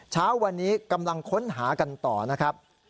เช้าวันนี้กำลังค้นหากันต่อนะครับ